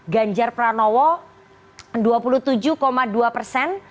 ganjar pranowo dua puluh tujuh dua persen